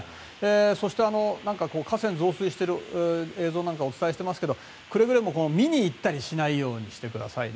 そして河川が増水している映像をお伝えしていますがくれぐれも見に行ったりしないようにしてくださいね。